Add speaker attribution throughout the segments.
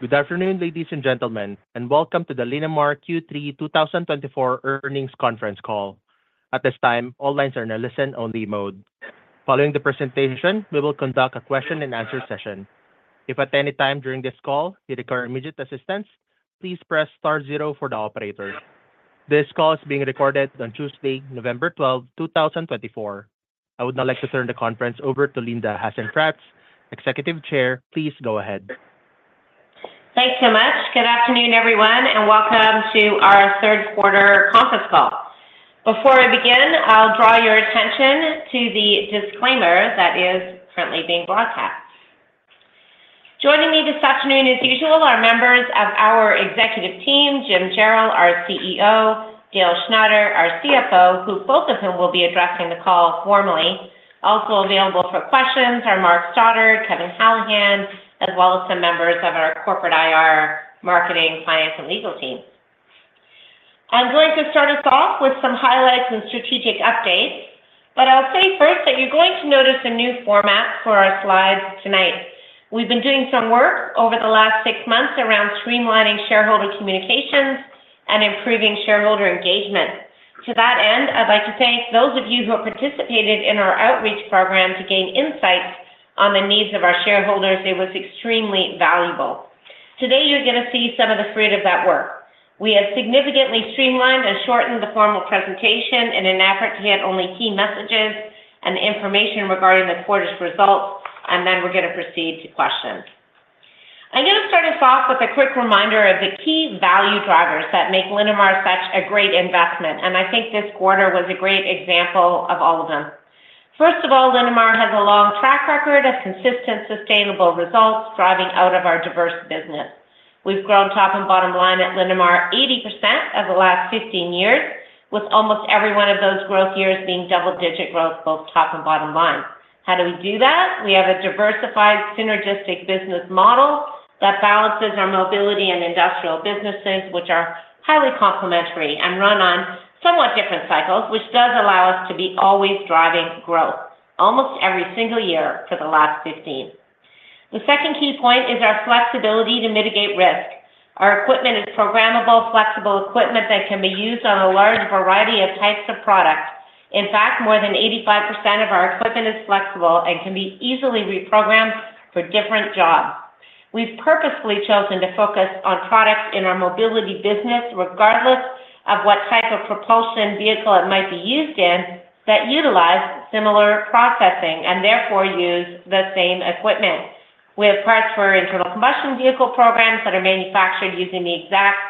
Speaker 1: Good afternoon, ladies and gentlemen, and welcome to the Linamar Q3 2024 Earnings Conference call. At this time, all lines are in a listen-only mode. Following the presentation, we will conduct a question-and-answer session. If at any time during this call you require immediate assistance, please press star zero for the operator. This call is being recorded on Tuesday, November 12, 2024. I would now like to turn the conference over to Linda Hasenfratz, Executive Chair. Please go ahead.
Speaker 2: Thanks so much. Good afternoon, everyone, and welcome to our third quarter conference call. Before I begin, I'll draw your attention to the disclaimer that is currently being broadcast. Joining me this afternoon, as usual, are members of our executive team, Jim Jarrell, our CEO, Dale Schneider, our CFO, who both of whom will be addressing the call formally. Also available for questions are Mark Stoddart, Kevin Hallahan, as well as some members of our corporate IR, marketing, finance, and legal team. I'm going to start us off with some highlights and strategic updates, but I'll say first that you're going to notice a new format for our slides tonight. We've been doing some work over the last six months around streamlining shareholder communications and improving shareholder engagement. To that end, I'd like to thank those of you who have participated in our outreach program to gain insights on the needs of our shareholders. It was extremely valuable. Today, you're going to see some of the fruit of that work. We have significantly streamlined and shortened the formal presentation in an effort to get only key messages and information regarding the quarter's results, and then we're going to proceed to questions. I'm going to start us off with a quick reminder of the key value drivers that make Linamar such a great investment, and I think this quarter was a great example of all of them. First of all, Linamar has a long track record of consistent, sustainable results driving out of our diverse business. We've grown top and bottom line at Linamar 80% over the last 15 years, with almost every one of those growth years being double-digit growth, both top and bottom line. How do we do that? We have a diversified, synergistic business model that balances our mobility and industrial businesses, which are highly complementary and run on somewhat different cycles, which does allow us to be always driving growth almost every single year for the last 15 years. The second key point is our flexibility to mitigate risk. Our equipment is programmable, flexible equipment that can be used on a large variety of types of products. In fact, more than 85% of our equipment is flexible and can be easily reprogrammed for different jobs. We've purposefully chosen to focus on products in our mobility business, regardless of what type of propulsion vehicle it might be used in, that utilize similar processing and therefore use the same equipment. We have parts for our internal combustion vehicle programs that are manufactured using the exact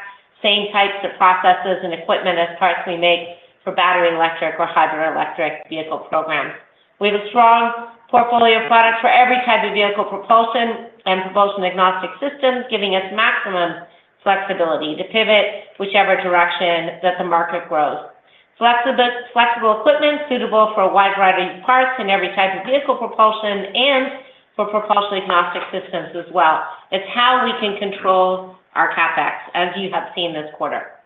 Speaker 2: same types of processes and equipment as parts we make for battery electric or hybrid electric vehicle programs. We have a strong portfolio of products for every type of vehicle propulsion and propulsion agnostic systems, giving us maximum flexibility to pivot whichever direction that the market grows. Flexible equipment suitable for a wide variety of parts and every type of vehicle propulsion and for propulsion agnostic systems as well. It's how we can control our CapEx, as you have seen this quarter.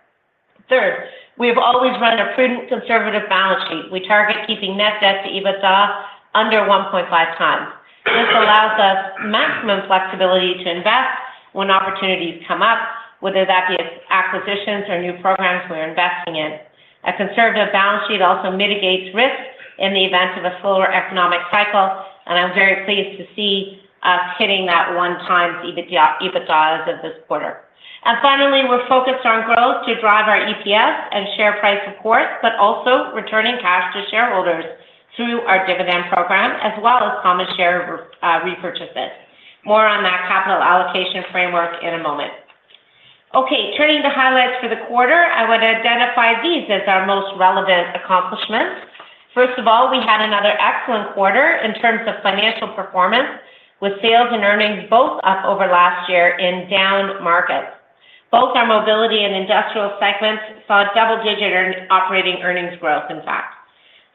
Speaker 2: Third, we have always run a prudent, conservative balance sheet. We target keeping net debt to EBITDA under 1.5x. This allows us maximum flexibility to invest when opportunities come up, whether that be acquisitions or new programs we're investing in. A conservative balance sheet also mitigates risk in the event of a slower economic cycle, and I'm very pleased to see us hitting that 1x EBITDA as of this quarter, and finally, we're focused on growth to drive our EPS and share price support, but also returning cash to shareholders through our dividend program as well as common share repurchases. More on that capital allocation framework in a moment. Okay, turning to highlights for the quarter, I want to identify these as our most relevant accomplishments. First of all, we had another excellent quarter in terms of financial performance, with sales and earnings both up over last year in down markets. Both our mobility and industrial segments saw double-digit operating earnings growth, in fact.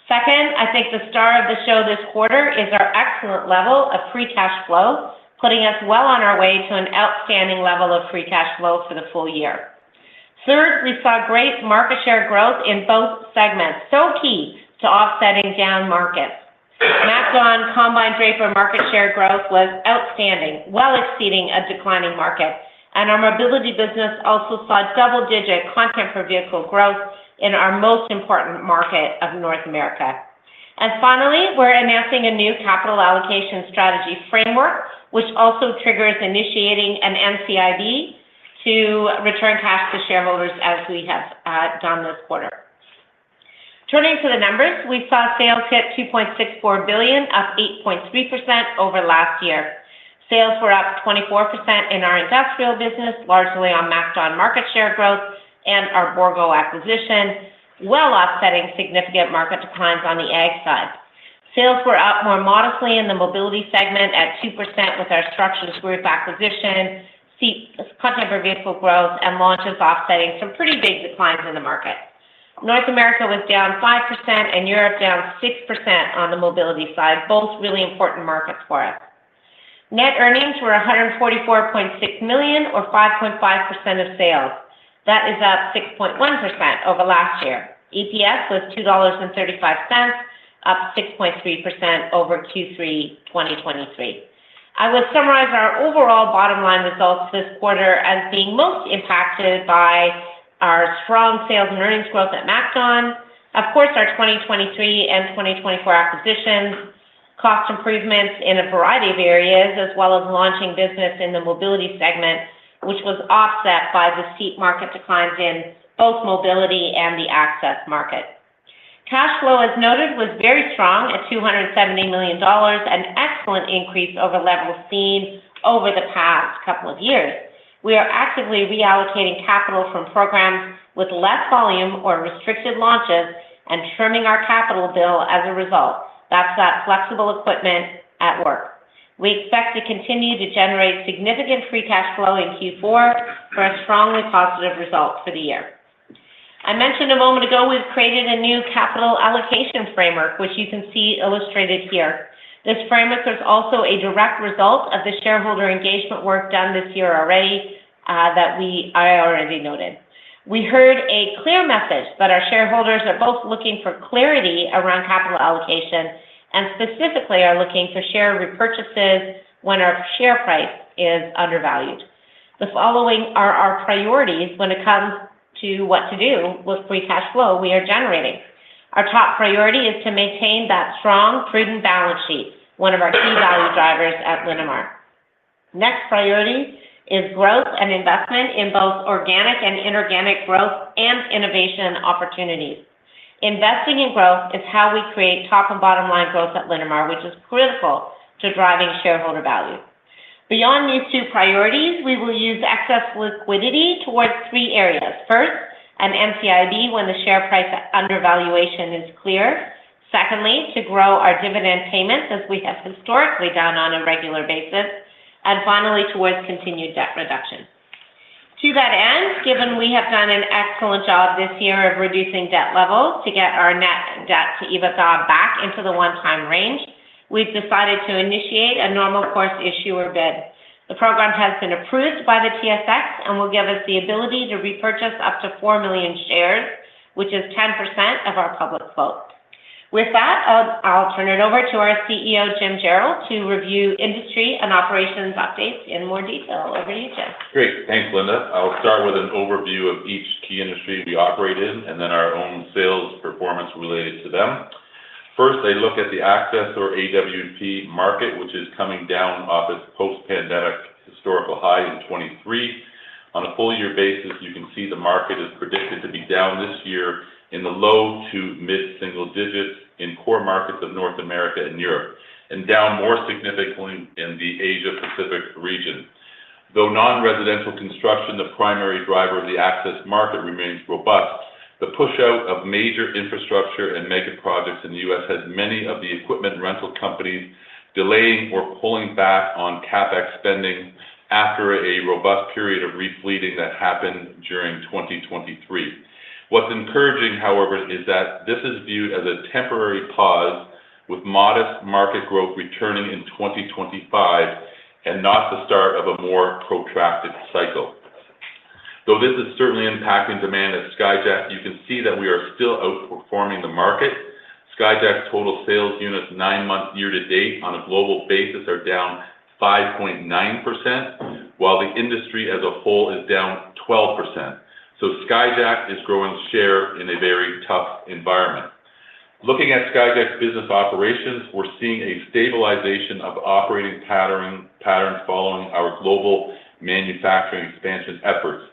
Speaker 2: Second, I think the star of the show this quarter is our excellent level of free cash flow, putting us well on our way to an outstanding level of free cash flow for the full year. Third, we saw great market share growth in both segments, so key to offsetting down markets. MacDon combine draper market share growth was outstanding, well exceeding a declining market, and our mobility business also saw double-digit content for vehicle growth in our most important market of North America. And finally, we're announcing a new capital allocation strategy framework, which also triggers initiating an NCIB to return cash to shareholders as we have done this quarter. Turning to the numbers, we saw sales hit 2.64 billion, up 8.3% over last year. Sales were up 24% in our industrial business, largely on MacDon market share growth and our Bourgault acquisition, well offsetting significant market declines on the Ag side. Sales were up more modestly in the mobility segment at 2% with our Structures Group acquisition, content for vehicle growth, and launches offsetting some pretty big declines in the market. North America was down 5% and Europe down 6% on the mobility side, both really important markets for us. Net earnings were 144.6 million, or 5.5% of sales. That is up 6.1% over last year. EPS was 2.35 dollars, up 6.3% over Q3 2023. I would summarize our overall bottom line results this quarter as being most impacted by our strong sales and earnings growth at MacDon. Of course, our 2023 and 2024 acquisitions, cost improvements in a variety of areas, as well as launching business in the mobility segment, which was offset by the seat market declines in both mobility and the access market. Cash flow, as noted, was very strong at 270 million dollars, an excellent increase over levels seen over the past couple of years. We are actively reallocating capital from programs with less volume or restricted launches and trimming our capital bill as a result. That's that flexible equipment at work. We expect to continue to generate significant free cash flow in Q4 for a strongly positive result for the year. I mentioned a moment ago we've created a new capital allocation framework, which you can see illustrated here. This framework is also a direct result of the shareholder engagement work done this year already that I already noted. We heard a clear message that our shareholders are both looking for clarity around capital allocation and specifically are looking for share repurchases when our share price is undervalued. The following are our priorities when it comes to what to do with free cash flow we are generating. Our top priority is to maintain that strong, prudent balance sheet, one of our key value drivers at Linamar. Next priority is growth and investment in both organic and inorganic growth and innovation opportunities. Investing in growth is how we create top and bottom line growth at Linamar, which is critical to driving shareholder value. Beyond these two priorities, we will use excess liquidity towards three areas. First, an NCIB when the share price undervaluation is clear. Secondly, to grow our dividend payments as we have historically done on a regular basis, and finally, towards continued debt reduction. To that end, given we have done an excellent job this year of reducing debt levels to get our net debt to EBITDA back into the one-time range, we've decided to initiate a normal course issuer bid. The program has been approved by the TSX and will give us the ability to repurchase up to four million shares, which is 10% of our public float. With that, I'll turn it over to our CEO, Jim Jarrell, to review industry and operations updates in more detail. Over to you, Jim.
Speaker 3: Great. Thanks, Linda. I'll start with an overview of each key industry we operate in and then our own sales performance related to them. First, I look at the access or AWP market, which is coming down off its post-pandemic historical high in 2023. On a full-year basis, you can see the market is predicted to be down this year in the low- to mid-single digits in core markets of North America and Europe, and down more significantly in the Asia-Pacific region. Though non-residential construction, the primary driver of the access market remains robust. The push out of major infrastructure and mega projects in the U.S. has many of the equipment rental companies delaying or pulling back on CapEx spending after a robust period of refleeting that happened during 2023. What's encouraging, however, is that this is viewed as a temporary pause with modest market growth returning in 2025 and not the start of a more protracted cycle. Though this is certainly impacting demand at Skyjack, you can see that we are still outperforming the market. Skyjack's total sales units, nine months year to date on a global basis, are down 5.9%, while the industry as a whole is down 12%. So Skyjack is growing share in a very tough environment. Looking at Skyjack's business operations, we're seeing a stabilization of operating patterns following our global manufacturing expansion efforts.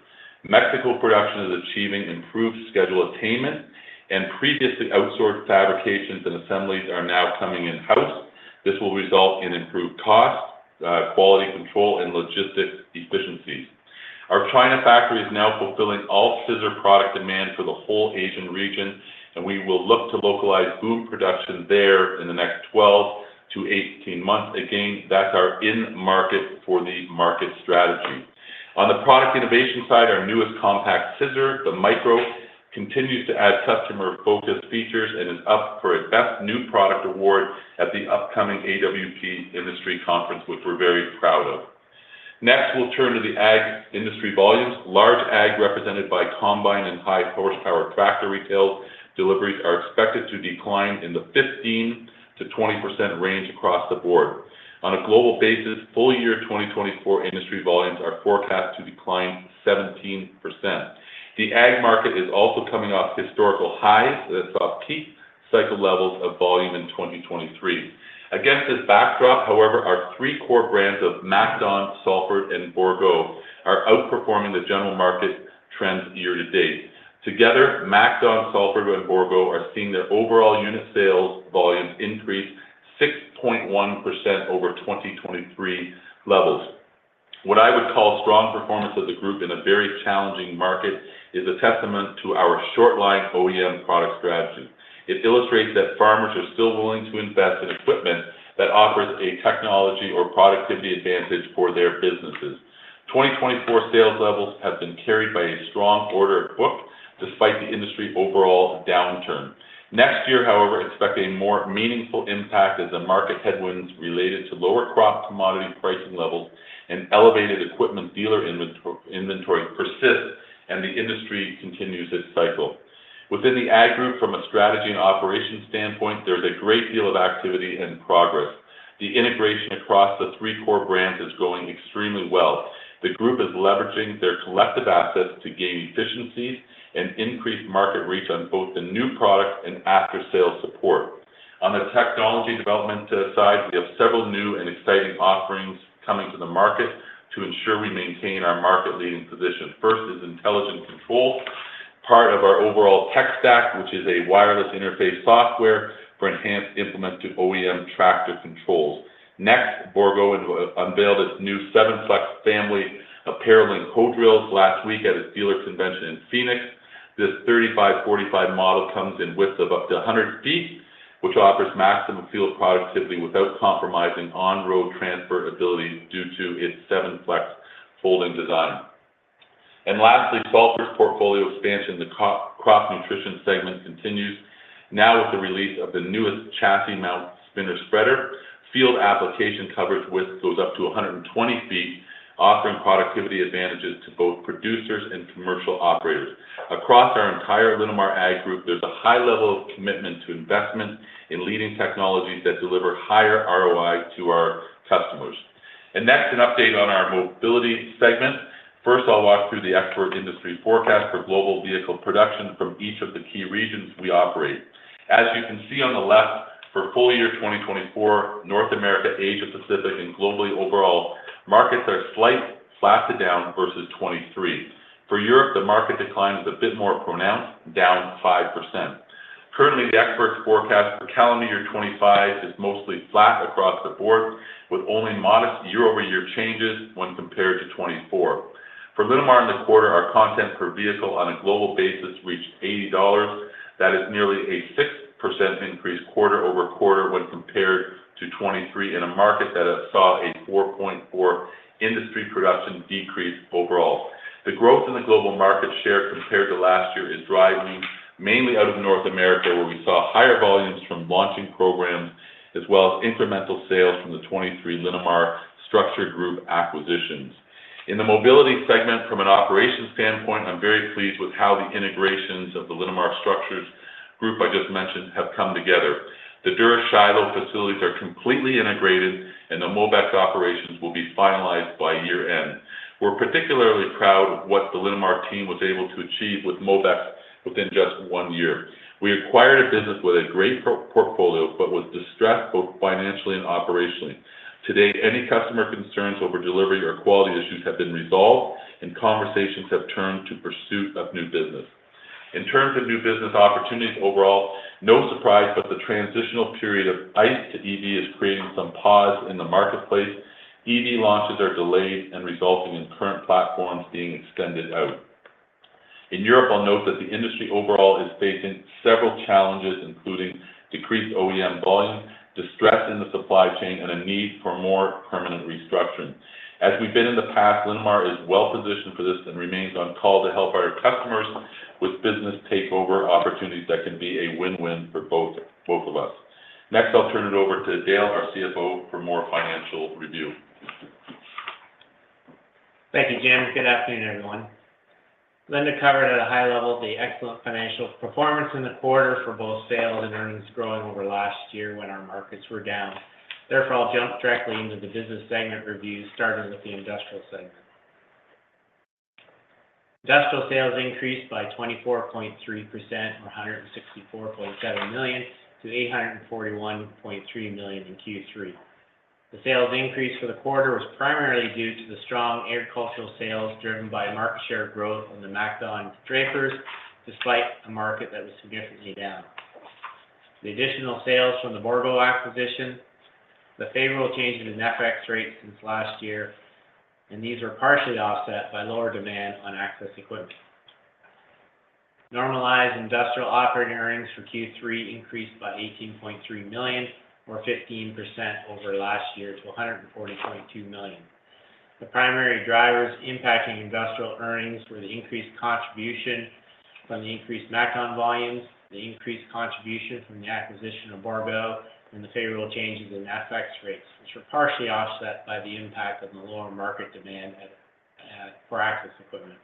Speaker 3: Mexico production is achieving improved schedule attainment, and previously outsourced fabrications and assemblies are now coming in-house. This will result in improved cost, quality control, and logistics efficiencies. Our China factory is now fulfilling all scissor product demand for the whole Asian region, and we will look to localize boom production there in the next 12-18 months. Again, that's our in-market for the market strategy. On the product innovation side, our newest compact scissor, the Micro, continues to add customer-focused features and is up for a Best New Product Award at the upcoming AWP Industry Conference, which we're very proud of. Next, we'll turn to the Ag industry volumes. Large Ag, represented by combine and high horsepower tractor retail deliveries, are expected to decline in the 15%-20% range across the board. On a global basis, full-year 2024 industry volumes are forecast to decline 17%. The Ag market is also coming off historical highs that saw peak cycle levels of volume in 2023. Against this backdrop, however, our three core brands of MacDon, Salford, and Bourgault are outperforming the general market trends year to date. Together, MacDon, Salford, and Bourgault are seeing their overall unit sales volumes increase 6.1% over 2023 levels. What I would call strong performance of the group in a very challenging market is a testament to our short-line OEM product strategy. It illustrates that farmers are still willing to invest in equipment that offers a technology or productivity advantage for their businesses. 2024 sales levels have been carried by a strong order book despite the industry overall downturn. Next year, however, expect a more meaningful impact as the market headwinds related to lower crop commodity pricing levels and elevated equipment dealer inventory persist and the industry continues its cycle. Within the Ag group, from a strategy and operations standpoint, there's a great deal of activity and progress. The integration across the three core brands is going extremely well. The group is leveraging their collective assets to gain efficiencies and increase market reach on both the new product and after-sales support. On the technology development side, we have several new and exciting offerings coming to the market to ensure we maintain our market-leading position. First is Intelligent Control, part of our overall tech stack, which is a wireless interface software for enhanced implement to OEM tractor controls. Next, Bourgault unveiled its new 7Flex family of parallel hoe drills last week at its dealer convention in Phoenix. This 3545 model comes in width of up to 100 ft, which offers maximum field productivity without compromising on-road transferability due to its 7Flex folding design. And lastly, Salford's portfolio expansion, the crop-nutrition segment, continues now with the release of the newest chassis-mount spinner spreader. Field application coverage width goes up to 120 ft, offering productivity advantages to both producers and commercial operators. Across our entire Linamar Ag group, there's a high level of commitment to investment in leading technologies that deliver higher ROI to our customers. And next, an update on our mobility segment. First, I'll walk through the expert industry forecast for global vehicle production from each of the key regions we operate. As you can see on the left, for full-year 2024, North America, Asia-Pacific, and globally overall, markets are slightly flat to down versus 2023. For Europe, the market decline is a bit more pronounced, down 5%. Currently, the expert's forecast for calendar year 2025 is mostly flat across the board, with only modest year-over-year changes when compared to 2024. For Linamar in the quarter, our content per vehicle on a global basis reached 80 dollars. That is nearly a 6% increase quarter-over-quarter when compared to 2023 in a market that saw a 4.4% industry production decrease overall. The growth in the global market share compared to last year is driving mainly out of North America, where we saw higher volumes from launching programs as well as incremental sales from the 2023 Linamar Structures Group acquisitions. In the mobility segment, from an operations standpoint, I'm very pleased with how the integrations of the Linamar Structures Group I just mentioned have come together. The Dura-Shiloh facilities are completely integrated, and the Mobex operations will be finalized by year-end. We're particularly proud of what the Linamar team was able to achieve with Mobex within just one year. We acquired a business with a great portfolio but was distressed both financially and operationally. Today, any customer concerns over delivery or quality issues have been resolved, and conversations have turned to pursuit of new business. In terms of new business opportunities overall, no surprise, but the transitional period of ICE to EV is creating some pause in the marketplace. EV launches are delayed and resulting in current platforms being extended out. In Europe, I'll note that the industry overall is facing several challenges, including decreased OEM volume, distress in the supply chain, and a need for more permanent restructuring. As we've been in the past, Linamar is well-positioned for this and remains on call to help our customers with business takeover opportunities that can be a win-win for both of us. Next, I'll turn it over to Dale, our CFO, for more financial review.
Speaker 4: Thank you, Jim. Good afternoon, everyone. Linda covered at a high level the excellent financial performance in the quarter for both sales and earnings growing over last year when our markets were down. Therefore, I'll jump directly into the business segment review, starting with the industrial segment. Industrial sales increased by 24.3%, or 164.7 million-841.3 million in Q3. The sales increase for the quarter was primarily due to the strong agricultural sales driven by market share growth on the MacDon drapers, despite a market that was significantly down. The additional sales from the Bourgault acquisition, the favorable changes in FX rates since last year, and these were partially offset by lower demand on access equipment. Normalized industrial operating earnings for Q3 increased by 18.3 million, or 15% over last year, to 140.2 million. The primary drivers impacting industrial earnings were the increased contribution from the increased MacDon volumes, the increased contribution from the acquisition of Bourgault, and the favorable changes in FX rates, which were partially offset by the impact of the lower market demand for access equipment.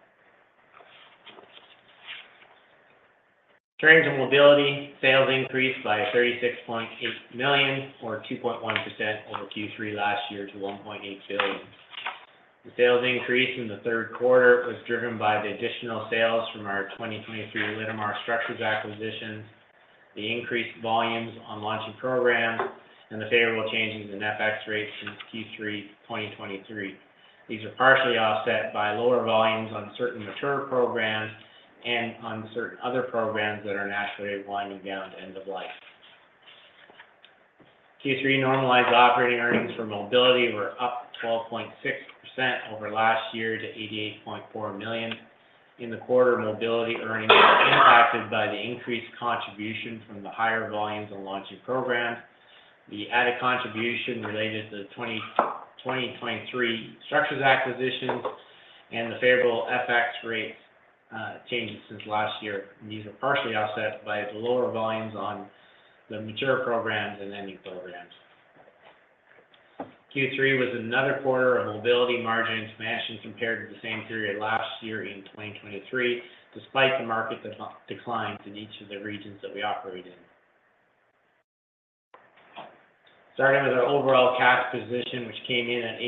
Speaker 4: Turning to mobility sales increased by 36.8 million, or 2.1% over Q3 last year, to 1.8 billion. The sales increase in the third quarter was driven by the additional sales from our 2023 Linamar structures acquisitions, the increased volumes on launching programs, and the favorable changes in FX rates since Q3 2023. These are partially offset by lower volumes on certain mature programs and on certain other programs that are naturally winding down to end of life. Q3 normalized operating earnings for mobility were up 12.6% over last year to 88.4 million. In the quarter, mobility earnings were impacted by the increased contribution from the higher volumes on launching programs, the added contribution related to the 2023 structures acquisitions, and the favorable FX rates changes since last year. These are partially offset by the lower volumes on the mature programs and ending programs. Q3 was another quarter of mobility margins matching compared to the same period last year in 2023, despite the market declines in each of the regions that we operate in. Starting with our overall cash position, which came in at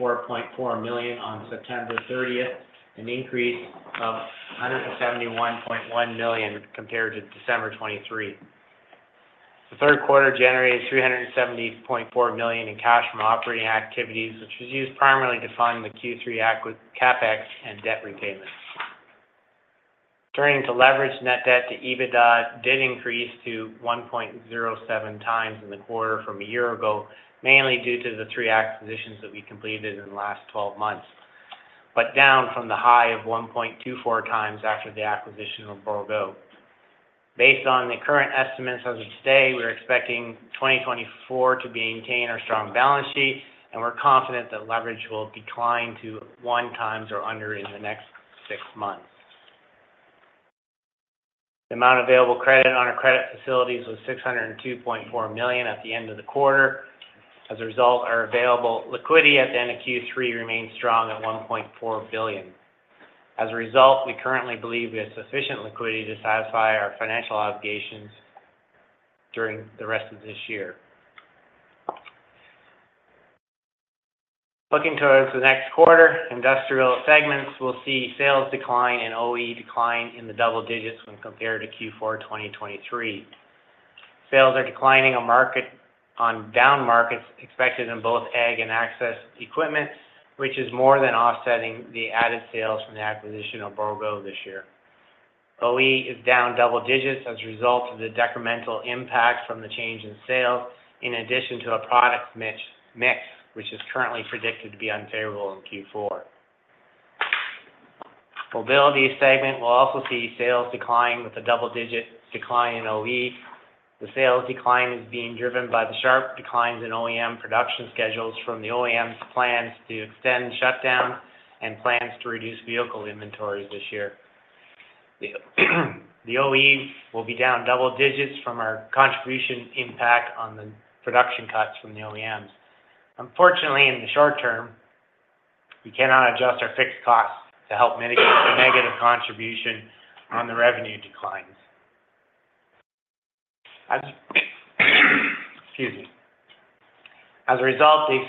Speaker 4: 824.4 million on September 30th, an increase of 171.1 million compared to December 2023. The third quarter generated 370.4 million in cash from operating activities, which was used primarily to fund the Q3 CapEx and debt repayments. Turning to leverage net debt to EBITDA did increase to 1.07x in the quarter from a year ago, mainly due to the three acquisitions that we completed in the last 12 months, but down from the high of 1.24x after the acquisition of Bourgault. Based on the current estimates as of today, we're expecting 2024 to maintain our strong balance sheet, and we're confident that leverage will decline to one times or under in the next six months. The amount available credit on our credit facilities was 602.4 million at the end of the quarter. As a result, our available liquidity at the end of Q3 remained strong at 1.4 billion. As a result, we currently believe we have sufficient liquidity to satisfy our financial obligations during the rest of this year. Looking towards the next quarter, industrial segments will see sales decline and OE decline in the double-digits when compared to Q4 2023. Sales are declining on down markets expected in both Ag and access equipment, which is more than offsetting the added sales from the acquisition of Bourgault this year. OE is down double-digits as a result of the detrimental impact from the change in sales, in addition to a product mix, which is currently predicted to be unfavorable in Q4. Mobility segment will also see sales decline with a double-digit decline in OE. The sales decline is being driven by the sharp declines in OEM production schedules from the OEM's plans to extend shutdowns and plans to reduce vehicle inventories this year. The OE will be down double-digits from our contribution impact on the production cuts from the OEMs. Unfortunately, in the short term, we cannot adjust our fixed costs to help mitigate the negative contribution on the revenue declines. Excuse me. As a result, the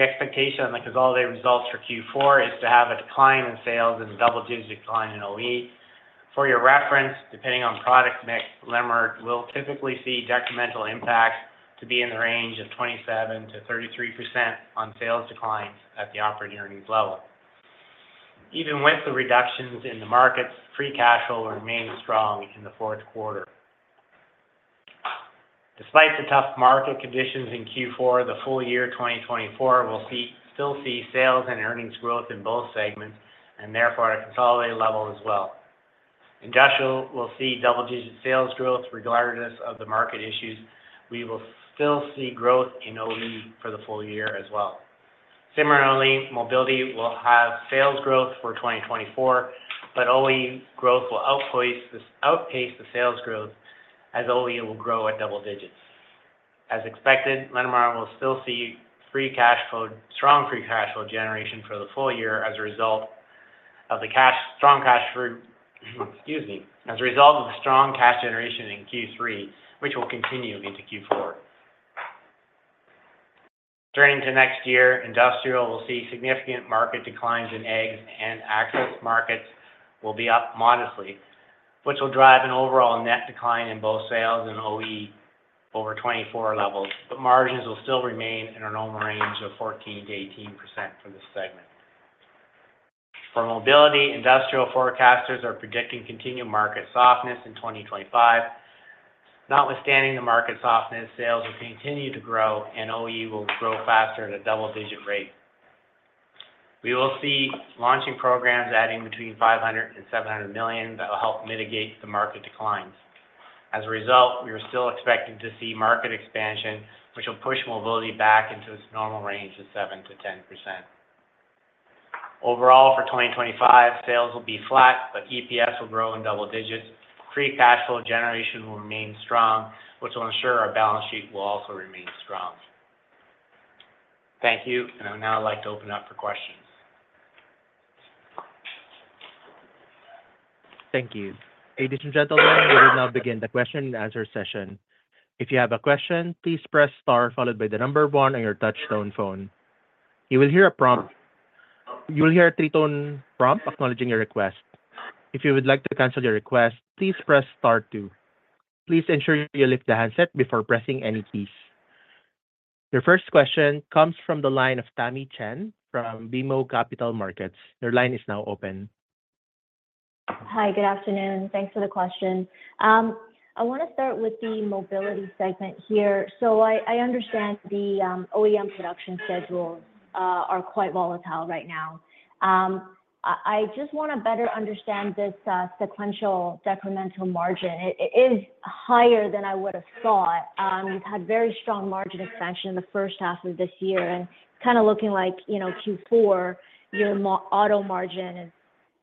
Speaker 4: expectation on the consolidated results for Q4 is to have a decline in sales and a double-digit decline in OE. For your reference, depending on product mix, Linamar will typically see detrimental impacts to be in the range of 27%-33% on sales declines at the operating earnings level. Even with the reductions in the markets, free cash flow will remain strong in the fourth quarter. Despite the tough market conditions in Q4, the full year 2024 will still see sales and earnings growth in both segments and therefore at a consolidated level as well. Industrial will see double-digit sales growth regardless of the market issues. We will still see growth in OE for the full year as well. Similarly, mobility will have sales growth for 2024, but OE growth will outpace the sales growth as OE will grow at double-digits. As expected, Linamar will still see strong free cash flow generation for the full year as a result of the strong cash generation in Q3, which will continue into Q4. Turning to next year, industrial will see significant market declines in Ag, and access markets will be up modestly, which will drive an overall net decline in both sales and OE over 2024 levels, but margins will still remain in our normal range of 14%-18% for this segment. For mobility, industry forecasters are predicting continued market softness in 2025. Notwithstanding the market softness, sales will continue to grow, and OE will grow faster at a double-digit rate. We will see launching programs adding between 500 million and 700 million that will help mitigate the market declines. As a result, we are still expecting to see market expansion, which will push mobility back into its normal range of 7%-10%. Overall, for 2025, sales will be flat, but EPS will grow in double-digits. Free cash flow generation will remain strong, which will ensure our balance sheet will also remain strong. Thank you, and I would now like to open up for questions.
Speaker 1: Thank you. Ladies and gentlemen, we will now begin the question and answer session. If you have a question, please press star followed by the number one on your touch-tone phone. You will hear a prompt. You will hear a three-tone prompt acknowledging your request. If you would like to cancel your request, please press star two. Please ensure you lift the handset before pressing any keys. Your first question comes from the line of Tamy Chen from BMO Capital Markets. Your line is now open.
Speaker 5: Hi, good afternoon. Thanks for the question. I want to start with the mobility segment here. So I understand the OEM production schedules are quite volatile right now. I just want to better understand this sequential detrimental margin. It is higher than I would have thought. You've had very strong margin expansion in the first half of this year, and it's kind of looking like Q4, your auto margin is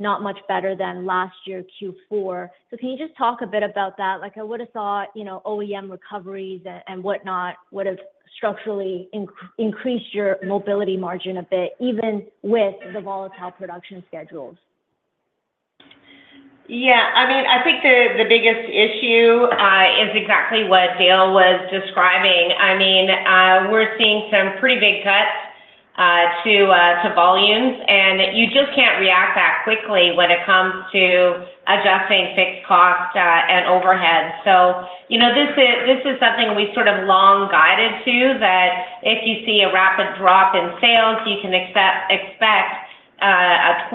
Speaker 5: not much better than last year Q4. So can you just talk a bit about that? I would have thought OEM recoveries and whatnot would have structurally increased your mobility margin a bit, even with the volatile production schedules.
Speaker 2: Yeah. I mean, I think the biggest issue is exactly what Dale was describing. I mean, we're seeing some pretty big cuts to volumes, and you just can't react that quickly when it comes to adjusting fixed costs and overhead. So this is something we sort of long guided to, that if you see a rapid drop in sales, you can expect that 25%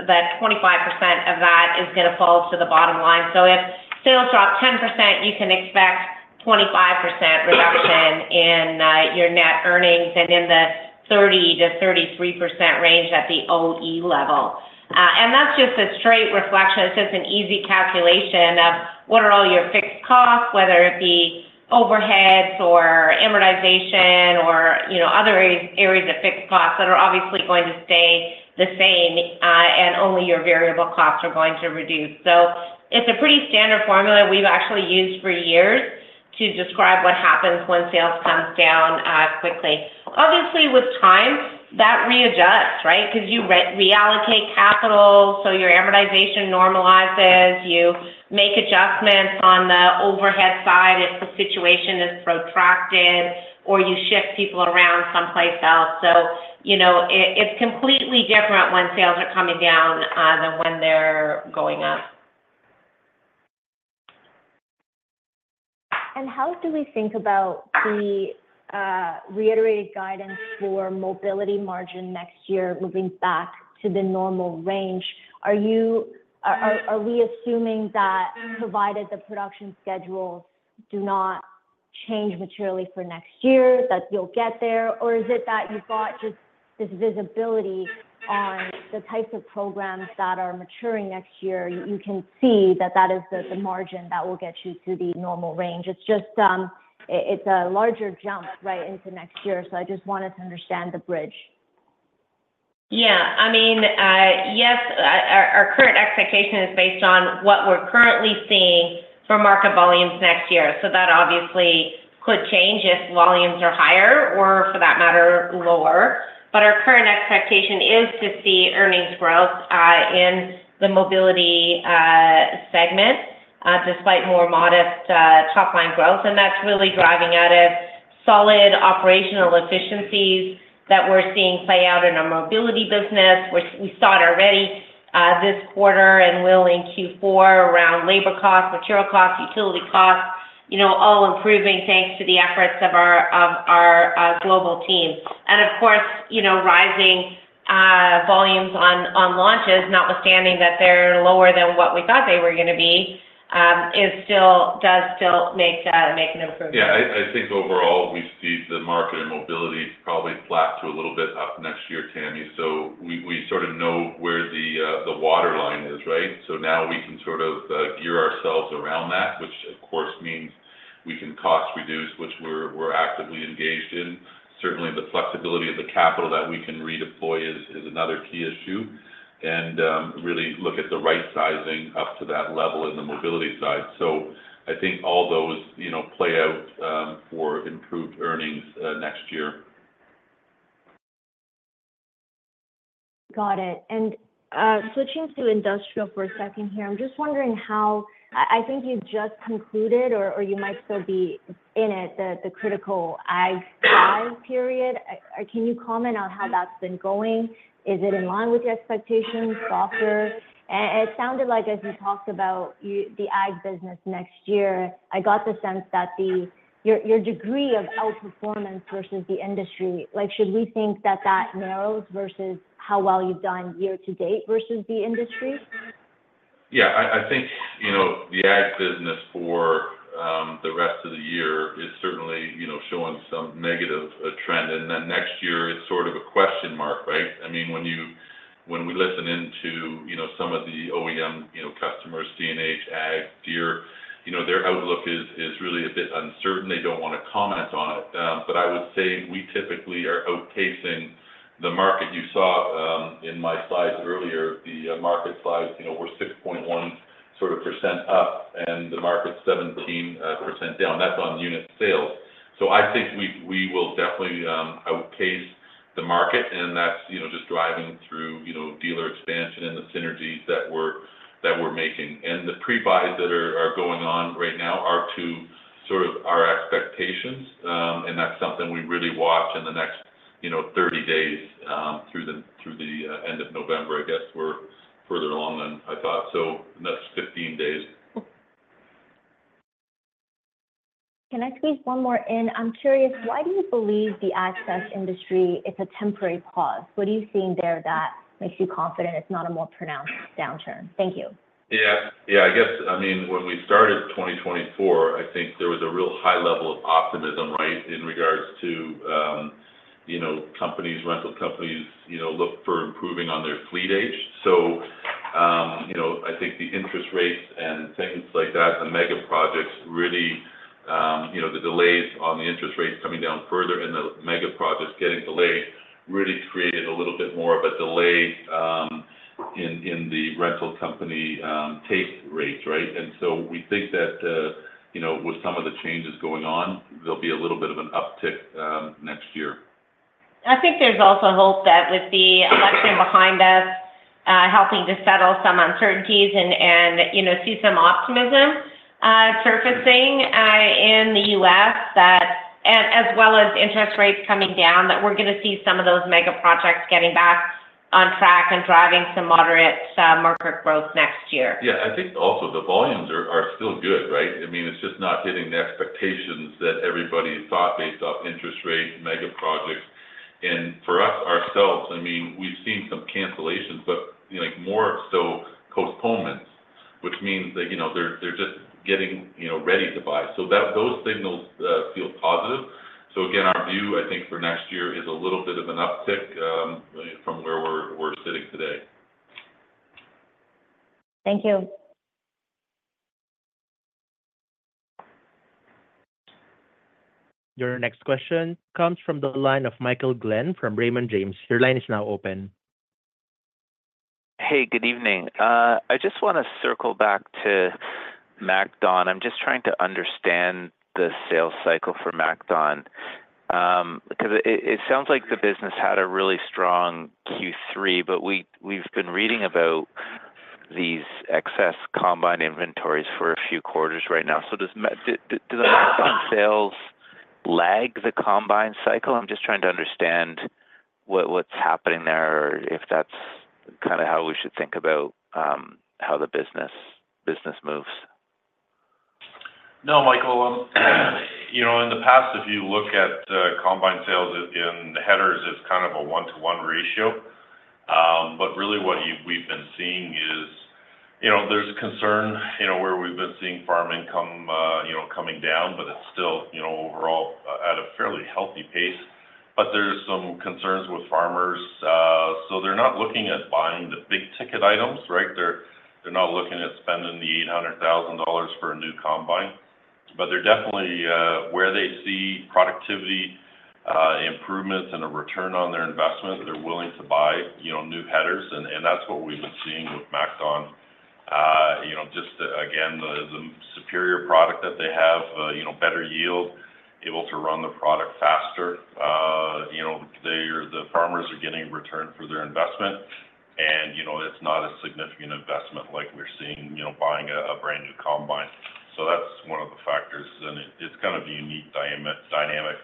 Speaker 2: of that is going to fall to the bottom line. So if sales drop 10%, you can expect 25% reduction in your net earnings and in the 30%-33% range at the OE level. And that's just a straight reflection. It's just an easy calculation of what are all your fixed costs, whether it be overheads or amortization or other areas of fixed costs that are obviously going to stay the same, and only your variable costs are going to reduce. So it's a pretty standard formula we've actually used for years to describe what happens when sales come down quickly. Obviously, with time, that readjusts, right? Because you reallocate capital, so your amortization normalizes. You make adjustments on the overhead side if the situation is protracted, or you shift people around someplace else. So it's completely different when sales are coming down than when they're going up.
Speaker 5: And how do we think about the reiterated guidance for mobility margin next year, moving back to the normal range? Are we assuming that, provided the production schedules do not change materially for next year, that you'll get there? Or is it that you've got just this visibility on the types of programs that are maturing next year? You can see that that is the margin that will get you to the normal range. It's a larger jump right into next year, so I just wanted to understand the bridge.
Speaker 2: Yeah. I mean, yes, our current expectation is based on what we're currently seeing for market volumes next year. So that obviously could change if volumes are higher or, for that matter, lower. But our current expectation is to see earnings growth in the mobility segment, despite more modest top-line growth. And that's really driving out of solid operational efficiencies that we're seeing play out in our mobility business. We saw it already this quarter and will in Q4 around labor costs, material costs, utility costs, all improving thanks to the efforts of our global team. And of course, rising volumes on launches, notwithstanding that they're lower than what we thought they were going to be, does still make an improvement.
Speaker 3: Yeah. I think overall, we see the market in mobility probably flat to a little bit up next year, Tamy. So we sort of know where the waterline is, right? So now we can sort of gear ourselves around that, which, of course, means we can cost reduce, which we're actively engaged in. Certainly, the flexibility of the capital that we can redeploy is another key issue. And really look at the right sizing up to that level in the mobility side. So I think all those play out for improved earnings next year.
Speaker 5: Got it. And switching to industrial for a second here, I'm just wondering how I think you just concluded, or you might still be in it, the critical Ag high period. Can you comment on how that's been going? Is it in line with your expectations so far? And it sounded like, as you talked about the Ag business next year, I got the sense that your degree of outperformance versus the industry. Should we think that that narrows versus how well you've done year to date versus the industry?
Speaker 3: Yeah. I think the Ag business for the rest of the year is certainly showing some negative trend. And then next year, it's sort of a question mark, right? I mean, when we listen into some of the OEM customers, CNH, AGCO. Year, their outlook is really a bit uncertain. They don't want to comment on it. But I would say we typically are outpacing the market. You saw in my slides earlier, the market slides, we're 6.1% up, and the market's 17% down. That's on unit sales. So I think we will definitely outpace the market, and that's just driving through dealer expansion and the synergies that we're making. And the pre-buys that are going on right now are to sort of our expectations, and that's something we really watch in the next 30 days through the end of November. I guess we're further along than I thought, so the next 15 days.
Speaker 5: Can I squeeze one more in? I'm curious, why do you believe the access industry is a temporary pause? What are you seeing there that makes you confident it's not a more pronounced downturn? Thank you.
Speaker 3: Yeah. Yeah. I guess, I mean, when we started 2024, I think there was a real high level of optimism, right, in regards to companies, rental companies look for improving on their fleet age. So I think the interest rates and things like that, the mega projects really, the delays on the interest rates coming down further and the mega projects getting delayed really created a little bit more of a delay in the rental company utilization rates, right? And so we think that with some of the changes going on, there'll be a little bit of an uptick next year.
Speaker 2: I think there's also hope that with the election behind us, helping to settle some uncertainties and see some optimism surfacing in the U.S., as well as interest rates coming down, that we're going to see some of those mega projects getting back on track and driving some moderate market growth next year.
Speaker 3: Yeah. I think also the volumes are still good, right? I mean, it's just not hitting the expectations that everybody thought based off interest rates, mega projects. And for us ourselves, I mean, we've seen some cancellations, but more so postponements, which means that they're just getting ready to buy. So those signals feel positive. So again, our view, I think, for next year is a little bit of an uptick from where we're sitting today.
Speaker 5: Thank you.
Speaker 1: Your next question comes from the line of Michael Glen from Raymond James. Your line is now open.
Speaker 6: Hey, good evening. I just want to circle back to MacDon. I'm just trying to understand the sales cycle for MacDon because it sounds like the business had a really strong Q3, but we've been reading about these excess combine inventories for a few quarters right now. So does MacDon sales lag the combine cycle? I'm just trying to understand what's happening there or if that's kind of how we should think about how the business moves.
Speaker 3: No, Michael. In the past, if you look at combine sales in headers, it's kind of a one-to-one ratio. But really what we've been seeing is there's concern where we've been seeing farm income coming down, but it's still overall at a fairly healthy pace. But there's some concerns with farmers. So they're not looking at buying the big ticket items, right? They're not looking at spending the 800,000 dollars for a new combine. But they're definitely where they see productivity improvements and a return on their investment, they're willing to buy new headers. And that's what we've been seeing with MacDon. Just again, the superior product that they have, better yield, able to run the product faster. The farmers are getting return for their investment, and it's not a significant investment like we're seeing buying a brand new combine. So that's one of the factors, and it's kind of a unique dynamic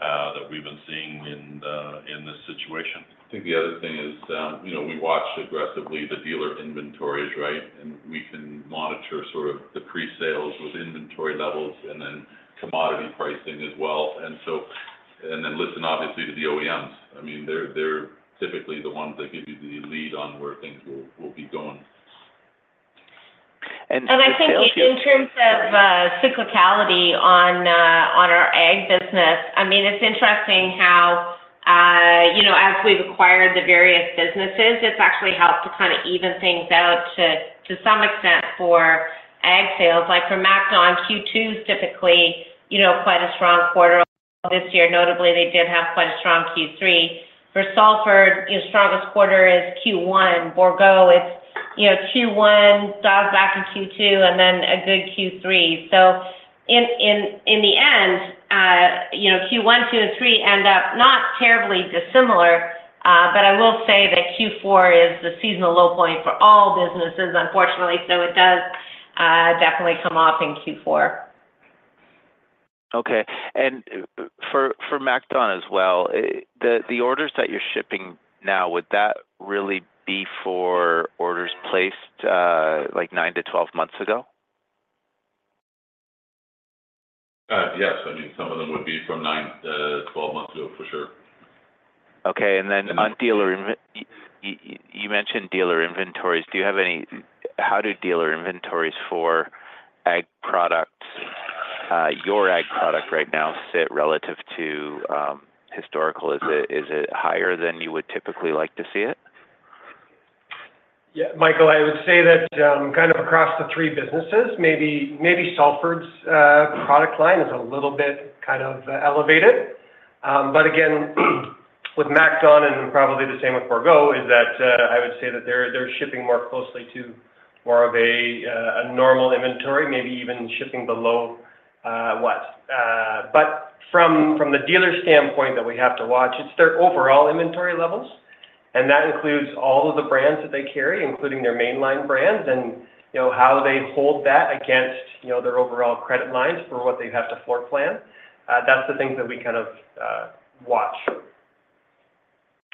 Speaker 3: that we've been seeing in this situation. I think the other thing is we watch aggressively the dealer inventories, right? And we can monitor sort of the pre-sales with inventory levels and then commodity pricing as well. And then listen, obviously, to the OEMs. I mean, they're typically the ones that give you the lead on where things will be going.
Speaker 2: I think in terms of cyclicality on our Ag business, I mean, it's interesting how, as we've acquired the various businesses, it's actually helped to kind of even things out to some extent for Ag sales. For MacDon, Q2 is typically quite a strong quarter this year. Notably, they did have quite a strong Q3. For Salford, the strongest quarter is Q1. Bourgault, it's Q1, dials back in Q2, and then a good Q3. In the end, Q1, Q2, and Q3 end up not terribly dissimilar, but I will say that Q4 is the seasonal low point for all businesses, unfortunately. It does definitely come off in Q4.
Speaker 6: Okay, and for MacDon as well, the orders that you're shipping now, would that really be for orders placed like nine months-12 months ago?
Speaker 3: Yes. I mean, some of them would be from nine months-12 months ago, for sure.
Speaker 6: Okay. And then on dealer inventories, you mentioned dealer inventories. Do you have any, how do dealer inventories for Ag products, your Ag product right now, sit relative to historical? Is it higher than you would typically like to see it?
Speaker 4: Yeah. Michael, I would say that kind of across the three businesses, maybe Salford's product line is a little bit kind of elevated. But again, with MacDon and probably the same with Bourgault, is that I would say that they're shipping more closely to more of a normal inventory, maybe even shipping below what. But from the dealer standpoint that we have to watch, it's their overall inventory levels. And that includes all of the brands that they carry, including their mainline brands and how they hold that against their overall credit lines for what they have to floor plan. That's the things that we kind of watch.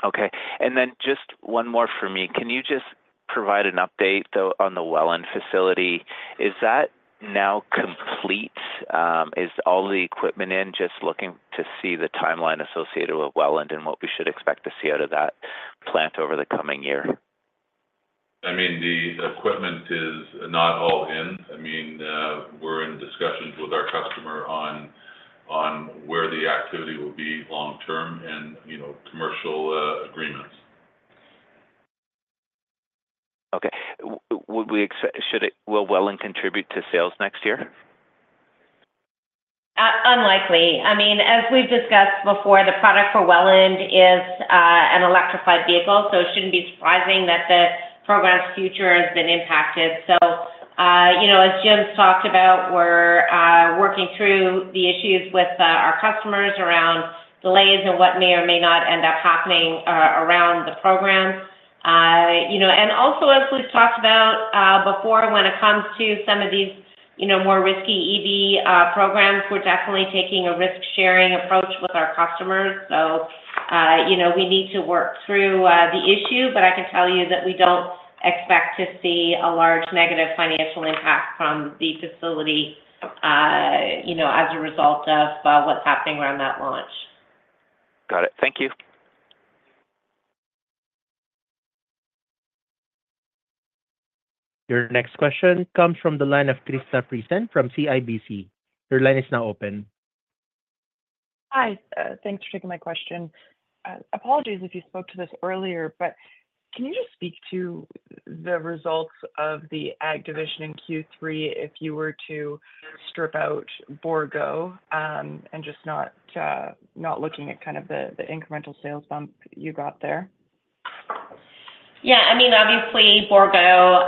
Speaker 6: Okay. And then just one more for me. Can you just provide an update on the Welland facility? Is that now complete? Is all the equipment in? Just looking to see the timeline associated with Welland and what we should expect to see out of that plant over the coming year.
Speaker 3: I mean, the equipment is not all in. I mean, we're in discussions with our customer on where the activity will be long term and commercial agreements.
Speaker 6: Okay. Will Welland contribute to sales next year?
Speaker 2: Unlikely. I mean, as we've discussed before, the product for Welland is an electrified vehicle, so it shouldn't be surprising that the program's future has been impacted. So as Jim's talked about, we're working through the issues with our customers around delays and what may or may not end up happening around the program. And also, as we've talked about before, when it comes to some of these more risky EV programs, we're definitely taking a risk-sharing approach with our customers. So we need to work through the issue, but I can tell you that we don't expect to see a large negative financial impact from the facility as a result of what's happening around that launch.
Speaker 6: Got it. Thank you.
Speaker 1: Your next question comes from the line of Krista Friesen from CIBC. Her line is now open.
Speaker 7: Hi. Thanks for taking my question. Apologies if you spoke to this earlier, but can you just speak to the results of the Ag division in Q3 if you were to strip out Bourgault and just not looking at kind of the incremental sales bump you got there?
Speaker 2: Yeah. I mean, obviously, Bourgault,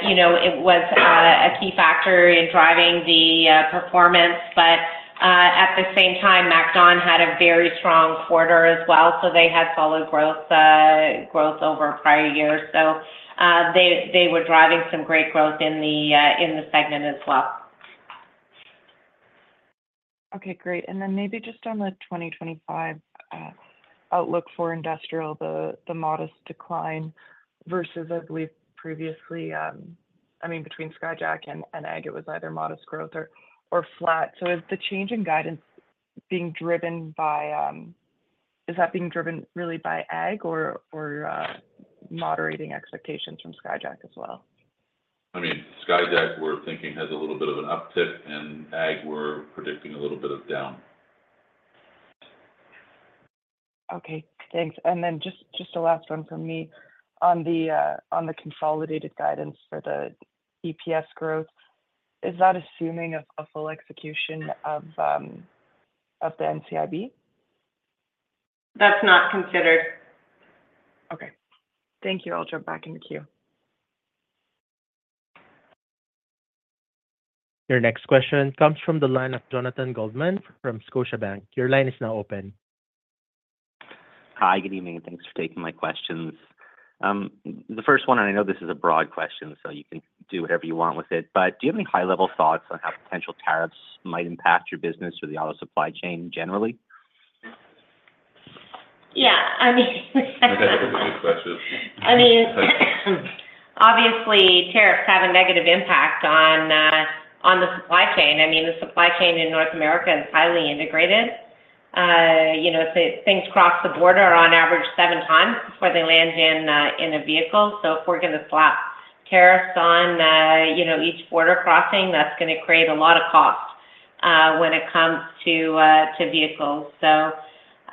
Speaker 2: it was a key factor in driving the performance, but at the same time, MacDon had a very strong quarter as well, so they had solid growth over a prior year, so they were driving some great growth in the segment as well.
Speaker 7: Okay. Great. And then maybe just on the 2025 outlook for industrial, the modest decline versus, I believe, previously. I mean, between Skyjack and Ag, it was either modest growth or flat. So is the change in guidance being driven by, is that being driven really by Ag or moderating expectations from Skyjack as well?
Speaker 3: I mean, Skyjack, we're thinking, has a little bit of an uptick, and Ag, we're predicting a little bit of down.
Speaker 7: Okay. Thanks. And then just a last one from me on the consolidated guidance for the EPS growth. Is that assuming a full execution of the NCIB?
Speaker 2: That's not considered.
Speaker 7: Okay. Thank you. I'll jump back in the queue.
Speaker 1: Your next question comes from the line of Jonathan Goldman from Scotiabank. Your line is now open.
Speaker 8: Hi. Good evening. Thanks for taking my questions. The first one, and I know this is a broad question, so you can do whatever you want with it, but do you have any high-level thoughts on how potential tariffs might impact your business or the auto supply chain generally?
Speaker 2: Yeah. I mean.
Speaker 3: That's a great question.
Speaker 2: I mean, obviously, tariffs have a negative impact on the supply chain. I mean, the supply chain in North America is highly integrated. Things cross the border on average 7x before they land in a vehicle. So if we're going to slap tariffs on each border crossing, that's going to create a lot of cost when it comes to vehicles. So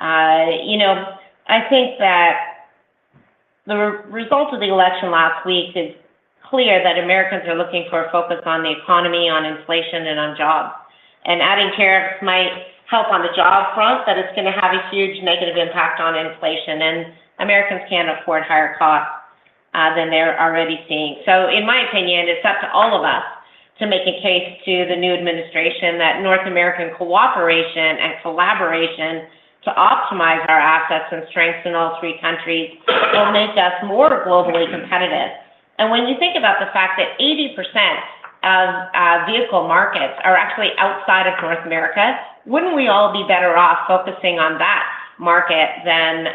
Speaker 2: I think that the result of the election last week is clear that Americans are looking for a focus on the economy, on inflation, and on jobs. And adding tariffs might help on the job front, but it's going to have a huge negative impact on inflation. And Americans can't afford higher costs than they're already seeing. In my opinion, it's up to all of us to make a case to the new administration that North American cooperation and collaboration to optimize our assets and strengths in all three countries will make us more globally competitive. And when you think about the fact that 80% of vehicle markets are actually outside of North America, wouldn't we all be better off focusing on that market than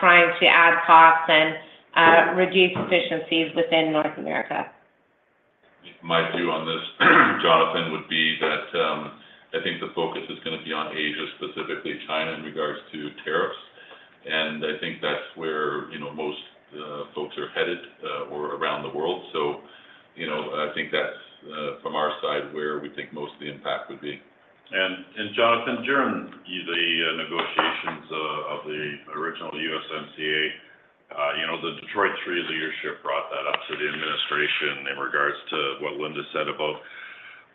Speaker 2: trying to add costs and reduce efficiencies within North America?
Speaker 3: My view on this, Jonathan, would be that I think the focus is going to be on Asia, specifically China in regards to tariffs. And I think that's where most folks are headed or around the world. So I think that's from our side where we think most of the impact would be. And Jonathan, during the negotiations of the original USMCA, the Detroit Three Leadership brought that up to the administration in regards to what Linda said about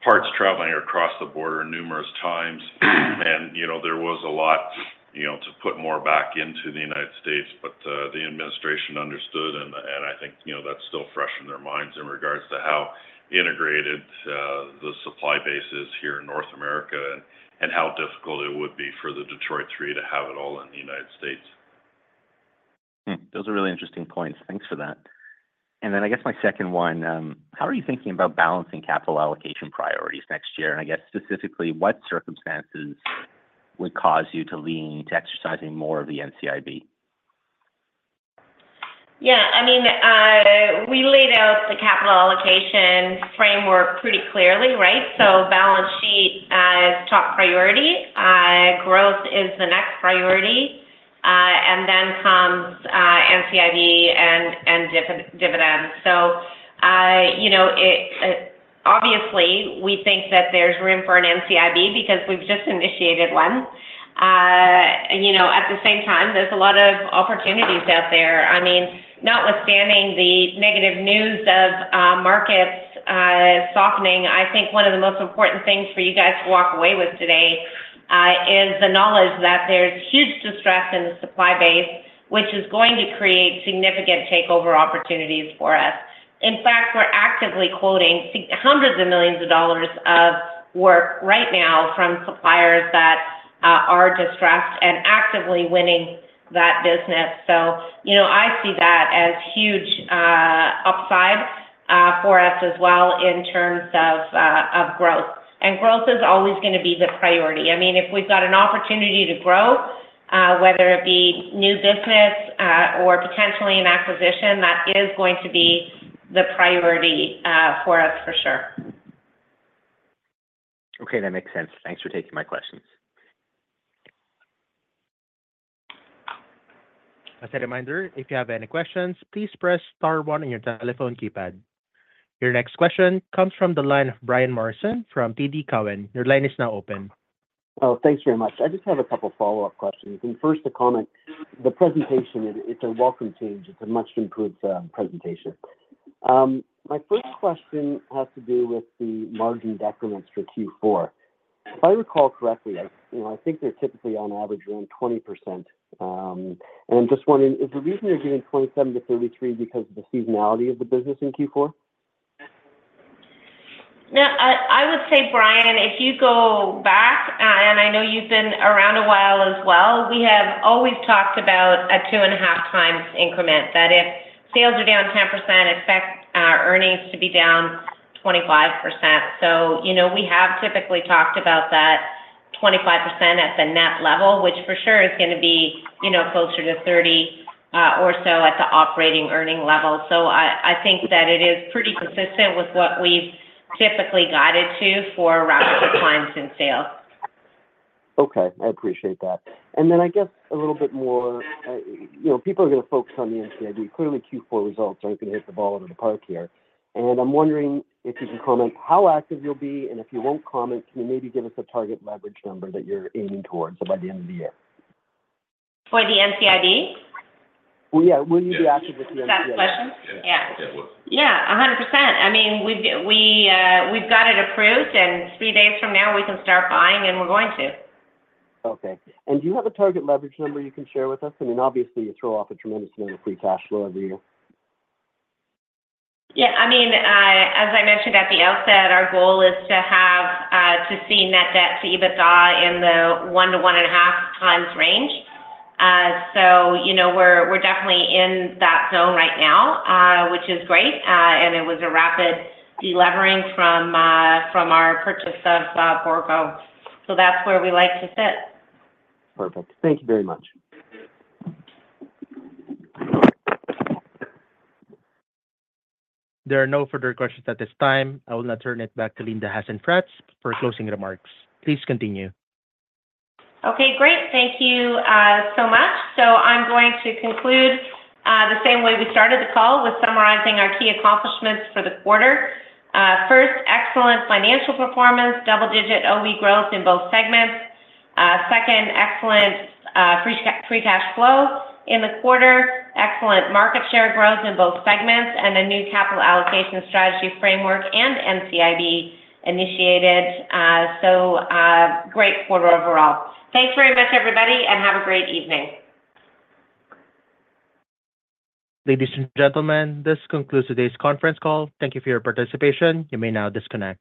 Speaker 3: parts traveling across the border numerous times. And there was a lot to put more back into the United States, but the administration understood. And I think that's still fresh in their minds in regards to how integrated the supply base is here in North America and how difficult it would be for the Detroit Three to have it all in the United States.
Speaker 8: Those are really interesting points. Thanks for that. And then I guess my second one, how are you thinking about balancing capital allocation priorities next year? And I guess specifically, what circumstances would cause you to lean to exercising more of the NCIB?
Speaker 2: Yeah. I mean, we laid out the capital allocation framework pretty clearly, right? So balance sheet is top priority. Growth is the next priority. And then comes NCIB and dividends. So obviously, we think that there's room for an NCIB because we've just initiated one. At the same time, there's a lot of opportunities out there. I mean, notwithstanding the negative news of markets softening, I think one of the most important things for you guys to walk away with today is the knowledge that there's huge distress in the supply base, which is going to create significant takeover opportunities for us. In fact, we're actively quoting hundreds of millions of dollars of work right now from suppliers that are distressed and actively winning that business. So I see that as huge upside for us as well in terms of growth. And growth is always going to be the priority. I mean, if we've got an opportunity to grow, whether it be new business or potentially an acquisition, that is going to be the priority for us for sure.
Speaker 8: Okay. That makes sense. Thanks for taking my questions.
Speaker 1: As a reminder, if you have any questions, please press star one on your telephone keypad. Your next question comes from the line of Brian Morrison from TD Cowen. Your line is now open.
Speaker 9: Oh, thanks very much. I just have a couple of follow-up questions. And first, a comment. The presentation, it's a welcome change. It's a much-improved presentation. My first question has to do with the margin decrements for Q4. If I recall correctly, I think they're typically on average around 20%. And I'm just wondering, is the reason you're giving 27%-33% because of the seasonality of the business in Q4?
Speaker 2: Yeah. I would say, Brian, if you go back, and I know you've been around a while as well, we have always talked about a 2.5x increment, that if sales are down 10%, expect our earnings to be down 25%. So we have typically talked about that 25% at the net level, which for sure is going to be closer to 30% or so at the operating earnings level. So I think that it is pretty consistent with what we've typically guided to for rapid declines in sales.
Speaker 9: Okay. I appreciate that. And then I guess a little bit more, people are going to focus on the NCIB. Clearly, Q4 results aren't going to hit the ball out of the park here. And I'm wondering if you can comment how active you'll be? And if you won't comment, can you maybe give us a target leverage number that you're aiming towards by the end of the year?
Speaker 2: For the NCIB?
Speaker 9: Yeah. Will you be active with the NCIB?
Speaker 2: Is that a question? Yeah.
Speaker 3: Yeah. It was.
Speaker 2: Yeah. 100%. I mean, we've got it approved, and three days from now, we can start buying, and we're going to.
Speaker 9: Okay. And do you have a target leverage number you can share with us? I mean, obviously, you throw off a tremendous amount of free cash flow every year.
Speaker 2: Yeah. I mean, as I mentioned at the outset, our goal is to see net debt to EBITDA in the one to one-and-a-half-times range. So we're definitely in that zone right now, which is great. And it was a rapid delevering from our purchase of Bourgault. So that's where we like to sit.
Speaker 9: Perfect. Thank you very much.
Speaker 1: There are no further questions at this time. I will now turn it back to Linda Hasenfratz for closing remarks. Please continue.
Speaker 2: Okay. Great. Thank you so much. So I'm going to conclude the same way we started the call with summarizing our key accomplishments for the quarter. First, excellent financial performance, double-digit OE growth in both segments. Second, excellent free cash flow in the quarter, excellent market share growth in both segments, and a new capital allocation strategy framework and NCIB-initiated. So great quarter overall. Thanks very much, everybody, and have a great evening.
Speaker 1: Ladies and gentlemen, this concludes today's conference call. Thank you for your participation. You may now disconnect.